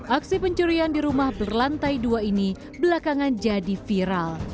aksi pencurian di rumah berlantai dua ini belakangan jadi viral